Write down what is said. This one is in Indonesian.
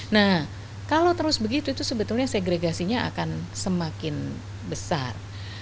nah kalau terus begitu itu sebetulnya segregasinya akan semakin besar